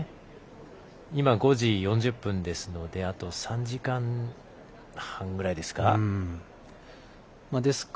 今５時４０分ですのであと３時間半ぐらいですか。